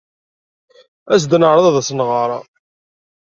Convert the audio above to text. As-d ad neɛreḍ ad as-nɣer.